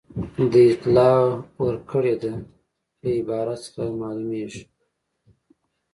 د اطلاع ورکړې ده له عبارت څخه معلومیږي.